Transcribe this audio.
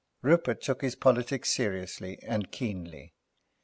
Rupert took his politics seriously and keenly.